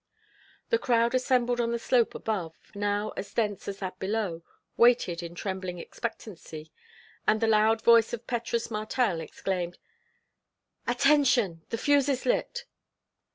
The crowd assembled on the slope above, now as dense as that below, waited in trembling expectancy; and the loud voice of Petrus Martel exclaimed: "Attention! the fuse is lit!"